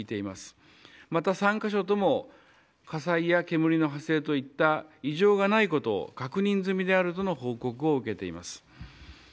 また３カ所とも火災や煙の発生といった異常がないことを確認済みであるとの報告を受けています。